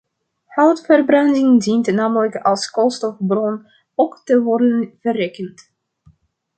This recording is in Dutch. Houtverbranding dient namelijk als koolstofbron ook te worden verrekend.